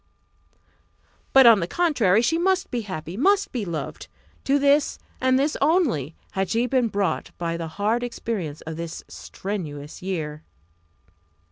But, on the contrary, she must be happy! must be loved! To this, and this only, had she been brought by the hard experience of this strenuous year.